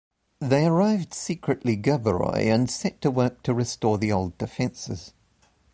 They arrived secretly Gerberoy and set to work to restore the old defenses.